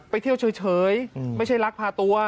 เที่ยวเฉยไม่ใช่ลักพาตัว